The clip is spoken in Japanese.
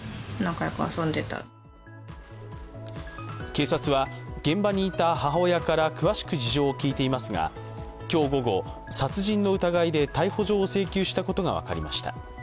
警察は現場にいた母親から詳しく事情を聞いていますが、今日午後、殺人の疑いで逮捕状を請求したことが分かりました。